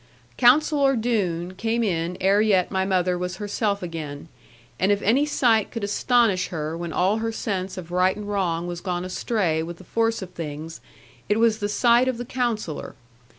Counsellor Doone came in ere yet my mother was herself again; and if any sight could astonish her when all her sense of right and wrong was gone astray with the force of things, it was the sight of the Counsellor.